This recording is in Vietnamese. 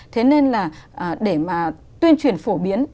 thế nên là để mà tuyên truyền phổ biến